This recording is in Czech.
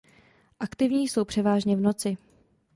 Aktivní jsou převážně v noci.